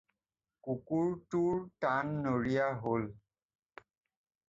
কুকুৰটোৰ টান নৰিয়া হ'ল।